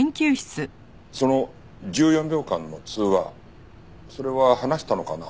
その１４秒間の通話それは話したのかな？